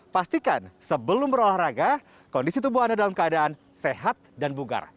pastikan sebelum berolahraga kondisi tubuh anda dalam keadaan sehat dan bugar